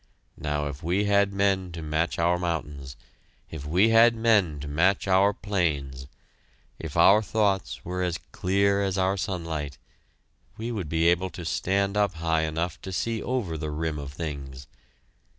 Now if we had men to match our mountains, if we had men to match our plains, if our thoughts were as clear as our sunlight, we would be able to stand up high enough to see over the rim of things.